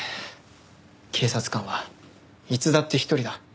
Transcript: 警察官はいつだって一人だ。